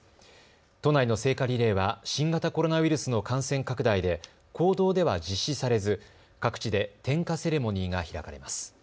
都内の聖火リレーは新型コロナウイルスの感染拡大で公道では実施されず各地で点火セレモニーが開かれます。